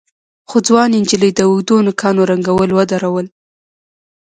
خو ځوانې نجلۍ د اوږدو نوکانو رنګول ودرول.